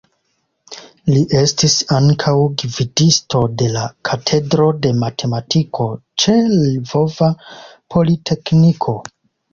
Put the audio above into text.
Li estis ankaŭ gvidisto de la Katedro de Matematiko ĉe Lvova Politekniko.